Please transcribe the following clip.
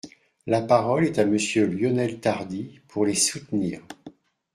La parole est à Monsieur Lionel Tardy, pour les soutenir.